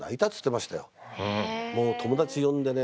もう友達呼んでね